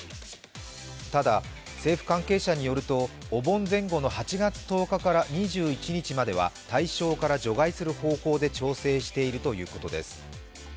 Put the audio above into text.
ただ、政府関係者によるとお盆前後の８月１０日から２１日までは対象から除外する方向で調整しているということです。